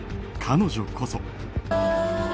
彼女こそ。